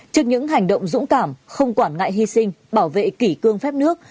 trước những hành động dũng cảm không quản ngại hy sinh bảo vệ kỷ cương phép nước